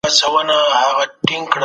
د لویې جرګي د مشر دفتر چېرته دی؟